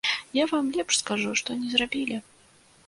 Я вам лепш скажу, што не зрабілі.